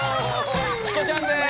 チコちゃんです！